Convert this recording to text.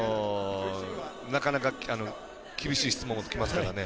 なかなか厳しい質問もきますからね。